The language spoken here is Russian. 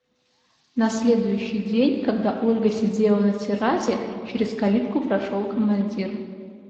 На следующий день, когда Ольга сидела на террасе, через калитку прошел командир.